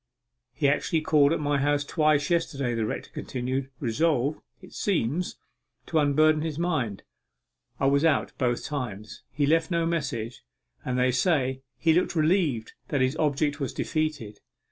'He actually called at my house twice yesterday,' the rector continued, 'resolved, it seems, to unburden his mind. I was out both times he left no message, and, they say, he looked relieved that his object was defeated.